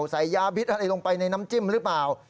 ยาบิดอะไรลงไปในน้ำจิ้มหรือเปล่า